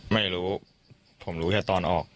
ไม่รู้ผมรู้แค่ตอนออก